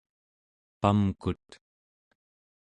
pamkut